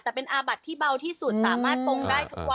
แต่เป็นอาบัดที่เบาที่สุดสามารถปงได้ทุกวัน